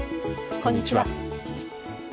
こんにちは。